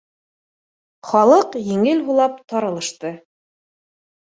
Халыҡ еңел һулап таралышты